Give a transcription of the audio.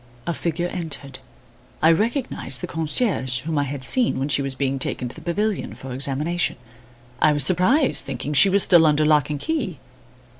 A figure entered. I recognised the concierge, whom I had seen when she was being taken to the pavilion for examination. I was surprised, thinking she was still under lock and key.